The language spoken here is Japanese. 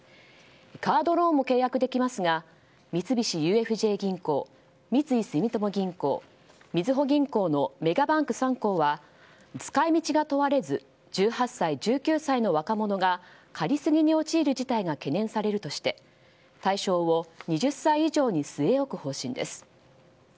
カードローンも契約できますが三菱ＵＳＪ銀行三井住友銀行、みずほ銀行のメガバンク３行は使い道が問われず１８歳、１９歳の若者が借りすぎに陥る事態が懸念されるとして対象を２０歳以上に据え置く方針です。